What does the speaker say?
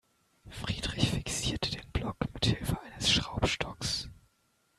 Friedrich fixierte den Block mithilfe des Schraubstocks.